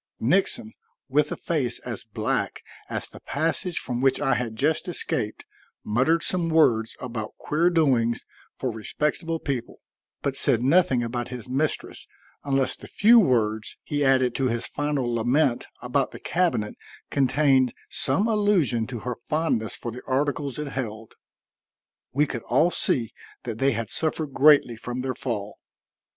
Nixon, with a face as black as the passage from which I had just escaped, muttered some words about queer doings for respectable people, but said nothing about his mistress unless the few words he added to his final lament about the cabinet contained some allusion to her fondness for the articles it held. We could all see that they had suffered greatly from their fall.